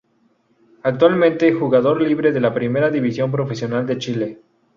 Actualmente jugador libre de la Primera División Profesional de Chile.